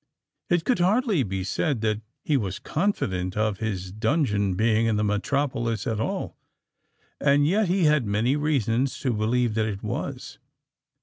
It could hardly be said that he was confident of this dungeon being in the metropolis at all;—and yet he had many reasons to believe that it was.